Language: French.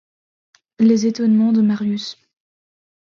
Les étonnements de Marius